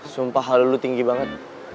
sumpah hal lulu tinggi banget